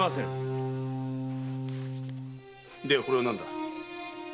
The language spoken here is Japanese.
ではこれは何だ？